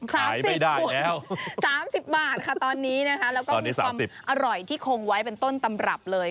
ขายไม่ได้แล้วคุณตอนนี้๓๐บาทค่ะแล้วก็มีความอร่อยที่คงไว้เป็นต้นตำรับเลย